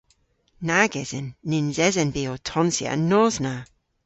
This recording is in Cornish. Nag esen. Nyns esen vy ow tonsya an nos na.